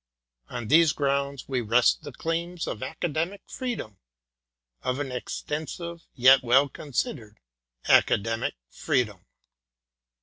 On these grounds we rest the claims of Academic Freedom of an extensive yet well considered Academic Freedom.